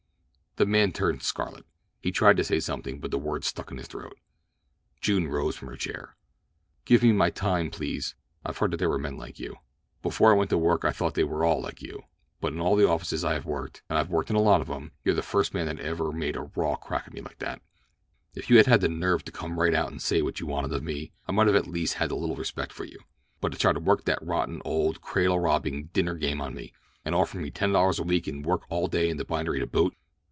The man turned scarlet. He tried to say something, but the words stuck in his throat. June rose from her chair. "Give me my time, please. I've heard that there were men like you. Before I went to work I thought they were all like you; but in all the offices I have worked—and I've worked in a lot of them—you're the first man that ever made a raw crack like that to me. If you had had the nerve to come right out and say what you wanted of me I might at least have had a little respect for you; but to try to work that rotten old cradle robbing dinner game on me! And offering me ten dollars a week and work all day in the bindery to boot!